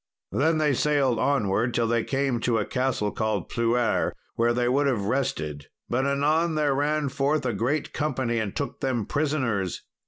] Then they sailed onwards till they came to a castle called Pluere, where they would have rested. But anon there ran forth a great company and took them prisoners.